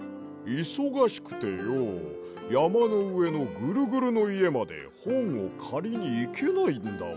いそがしくてよやまのうえのぐるぐるのいえまでほんをかりにいけないんだわ。